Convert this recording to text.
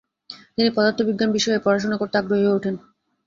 তিনি পদার্থবিজ্ঞান বিষয়ে পড়াশোনা করতে আগ্রহী হয়ে ওঠেন।